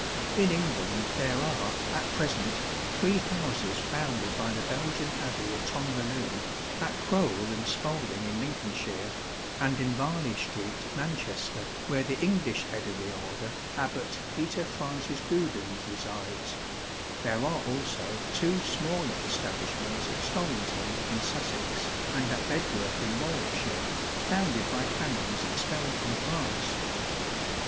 In England there are at present three houses founded by the Belgian Abbey of Tongerloo ; at Crowle and Spalding in Lincolnshire, and in Varley Street, Manchester, where the English Head of the Order, Abbat Peter Francis Geudens, resides : there are also two smaller establishments at Storrington, in Sussex, and at Bedworth, in Warwickshire, founded by Canons expelled from France.